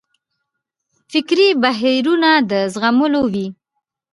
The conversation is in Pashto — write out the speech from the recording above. فکري بهیرونه د زغملو وي.